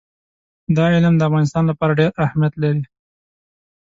دا علم د افغانستان لپاره ډېر اهمیت لري.